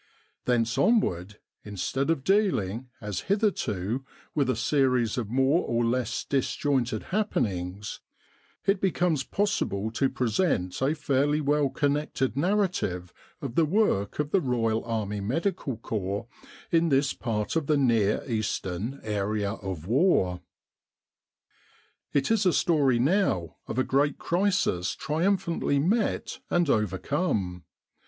Thence onward, instead of dealing, as hitherto, with a series of more or less disjointed happenings, it becomes possible to present a fairly well connected narrative of the work of the Royal Arrny Medical Corps in this part of the Near Eastern area of the war. It is a story now of a great crisis triumphantly met and overcome.